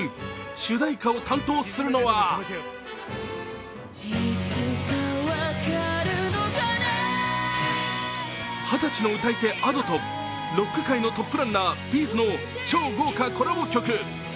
主題歌を担当するのは二十歳の歌い手、Ａｄｏとロック界のトップランナー、Ｂ’ｚの超豪華コラボ曲。